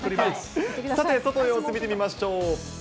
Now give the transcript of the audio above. さて、外の様子見てみましょう。